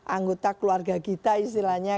anggota keluarga kita istilahnya